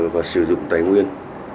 và sử dụng tài nguyên